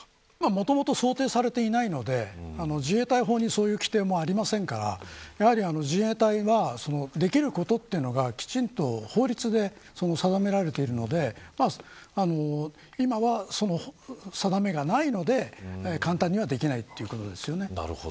もともと想定されていないので自衛隊法にそういう規定もありませんからやはり自衛隊はできることがきちんと法律で定められているので今は、その定めがないので簡単にはできないということですよね。